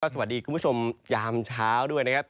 สวัสดีคุณผู้ชมยามเช้าด้วยนะครับ